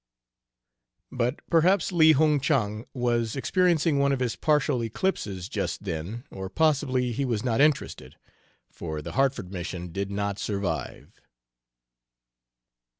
But perhaps Li Hung Chang was experiencing one of his partial eclipses just then, or possibly he was not interested, for the Hartford Mission did not survive.